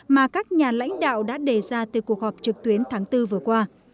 mà các nhà lãnh đạo đã đề ra từ cuộc họp trực tuyến tháng bốn vừa qua